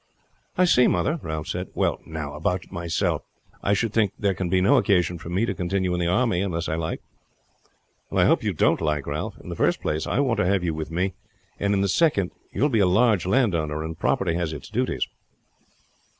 "I see, mother," Ralph said. "Well, now, about myself; I should think there can be no occasion for me to continue in the army unless I like?" "I hope you won't like, Ralph. In the first place I want to have you with me; and in the second, you will be a large landowner, and property has its duties."